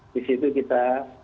di situ kita